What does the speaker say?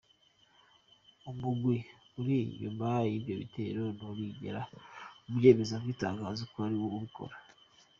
Umugwi uri inyuma w'ivyo bitero nturigera uvyemera mw'itangazo ko ari wo ubikora.